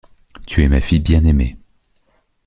Tu es ma fille bien aymée.